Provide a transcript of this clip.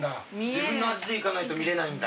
自分の足で行かないと見られないんだ？